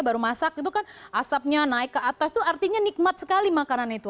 baru masak itu kan asapnya naik ke atas itu artinya nikmat sekali makanan itu